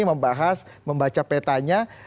membahas membaca petanya